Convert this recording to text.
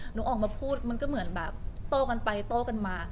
หนูออกมาพูดมันก็เหมือนแบบโต้กันไปโต้กันมา